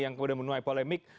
yang kemudian menuai polemik